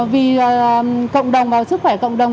vì cộng đồng và sức khỏe cộng đồng